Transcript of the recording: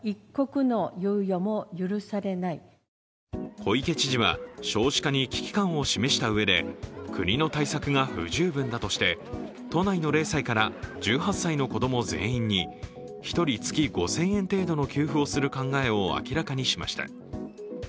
小池知事は、少子化に危機感を示したうえで国の対策が不十分だとして都内の０歳から１８歳の子供全員に１人月５０００円程度の給付をする考えを明らかにしました。